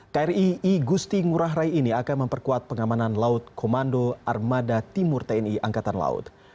kri igusti ngurah rai ini akan memperkuat pengamanan laut komando armada timur tni angkatan laut